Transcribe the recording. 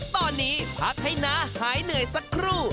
ตอนนี้พักให้น้าหายเหนื่อยสักครู่